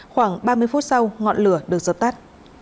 khoảng ba mươi phút sau ngọn lửa được dập tắt